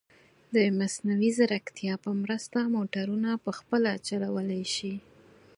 د مصنوعي ځیرکتیا په مرسته، موټرونه په خپله چلولی شي.